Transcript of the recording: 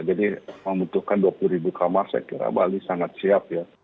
jadi membutuhkan dua puluh ribu kamar saya kira bali sangat siap ya